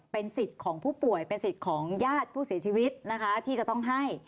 เป็นสิทธิ์ของผู้ป่วยเป็นสิทธิ์ของญาติผู้เสียชีวิตนะคะที่จะต้องให้